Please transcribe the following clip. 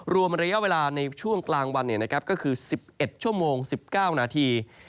รวมระยะเวลาในช่วงกลางวันก็คือ๑๑ชั่วโมง๑๙นาที